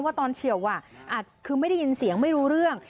ตอนเฉียวอาจคือไม่ได้ยินเสียงไม่รู้เรื่อง